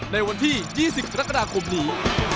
ในวันที่๒๐กรกฎาคมนี้